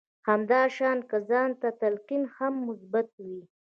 همدا شان که ځان ته تلقين هم مثبت وي.